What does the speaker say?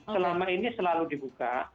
selama ini selalu dibuka